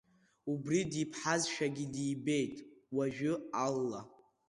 Убри диԥҳазшәагьы дибеит уажәы Алла.